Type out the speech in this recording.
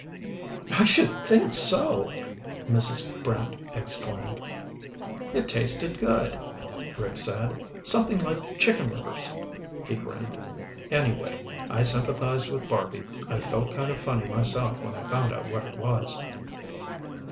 "I should think so!" Mrs. Brant exclaimed. "It tasted good," Rick said. "Something like chicken livers." He grinned. "Anyway, I sympathized with Barby. I felt kind of funny myself when I found out what it was."